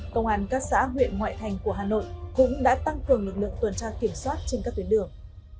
công an các xã huyện ngoại thành của hà nội cũng đã tăng cường lực lượng tuần tra kiểm soát trên các tuyến đường